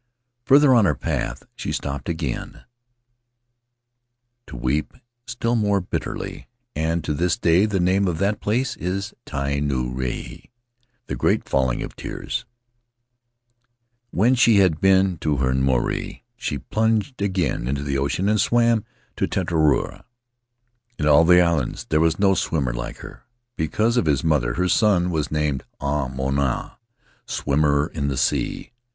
Farther on her path, she stopped again to weep still more bitterly, and to this day the name of that place is Tai Nuu Rahi (the Great Falling of Tears) . When she had been to her marae, she plunged again into the ocean and swam to Tetuaroa — in all the Faery Lands of the South Seas islands there was no swimmer like her; because of his mother, her son was named Au Moana (Swimmer in the Sea).